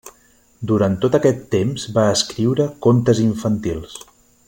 Durant tot aquest temps, va escriure contes infantils.